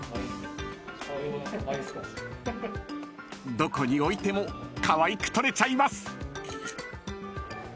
［どこに置いてもかわいく撮れちゃいます！］